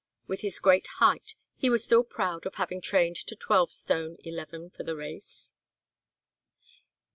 With his great height, he was still proud of having trained to twelve stone eleven for the race.